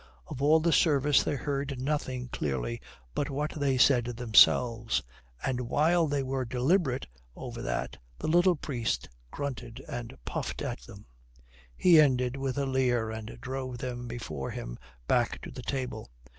Of all the service they heard nothing clearly but what they said themselves, and while they were deliberate over that the little priest grunted and puffed at them. He ended with a leer and drove them before him back to the table.